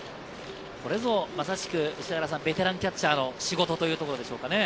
これぞベテランキャッチャーの仕事というところでしょうかね。